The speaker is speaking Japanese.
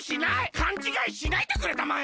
かんちがいしないでくれたまえ！